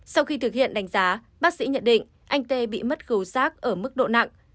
sau khi thực hiện đánh giá bác sĩ nhận định anh t bị mất khứu rác ở mức độ nặng